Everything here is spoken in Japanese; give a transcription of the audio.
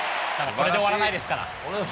これで終わらないですから。